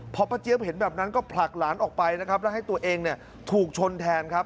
พอป้าเจี๊ยบเห็นแบบนั้นก็ผลักหลานออกไปนะครับแล้วให้ตัวเองเนี่ยถูกชนแทนครับ